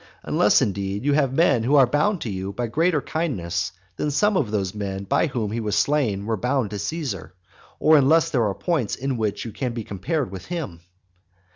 Unless, indeed, you have men who are bound to you by greater kindnesses than some of those men by whom he was slain were bound to Caesar, or unless there are points in which you can be compared with him.